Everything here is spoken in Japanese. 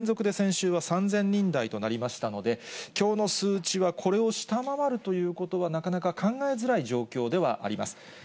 先週の火曜日が３連休明けということもありまして、２日連続で、先週は３０００人台となりましたので、きょうの数値はこれを下回るということはなかなか考えづらい状況ではあります。